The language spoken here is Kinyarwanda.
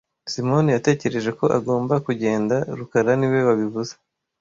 Simoni yatekereje ko agomba kugenda rukara niwe wabivuze